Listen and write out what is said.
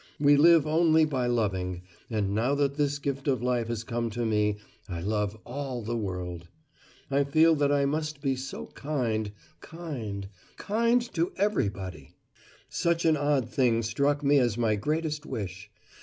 We live only by loving, and now that this gift of life has come to me I love all the world. I feel that I must be so kind, kind, kind to everybody! Such an odd thing struck me as my greatest wish.